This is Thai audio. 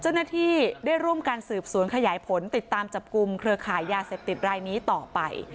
เจ้าหน้าที่ได้ร่วมการสืบสวนขยายผลติดตามจับกลุ่มเครือขายยาเสพติดรายนี้ต่อไป